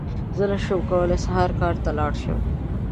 زه نشم کولی سهار کار ته لاړ شم!